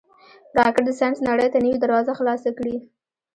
راکټ د ساینس نړۍ ته نوې دروازه خلاصه کړې